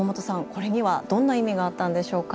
これにはどんな意味があったんでしょうか。